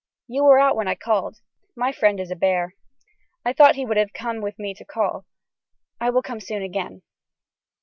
You were out when I called. My friend is a bear. I thought he would have come with me to call. I will come soon again.